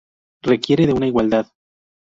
Requiere de una igualdad.